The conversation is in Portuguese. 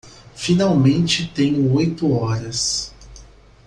Finalmente tenho oito horas